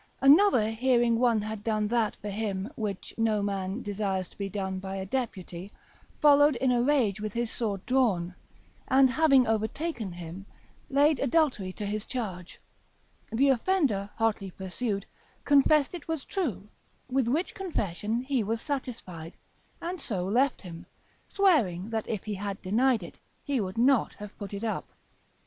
Another hearing one had done that for him, which no man desires to be done by a deputy, followed in a rage with his sword drawn, and having overtaken him, laid adultery to his charge; the offender hotly pursued, confessed it was true; with which confession he was satisfied, and so left him, swearing that if he had denied it, he would not have put it up.